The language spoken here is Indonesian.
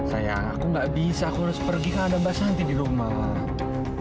sayang aku nggak bisa aku harus pergi ke ando bas nanti di rumah